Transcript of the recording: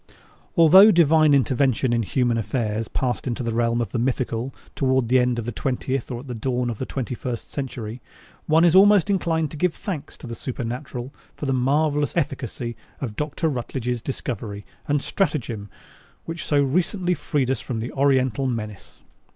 _ Although Divine intervention in human affairs passed into the realm of the mythical toward the end of the twentieth or at the dawn of the twenty first century, one is almost inclined to give thanks to the Supernatural for the marvelous efficacy of Dr. Rutledge's discovery and stratagem which so recently freed us from the Oriental menace.